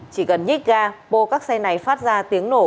chỉ cần nhích ga pô các xe này phát ra tiếng nổ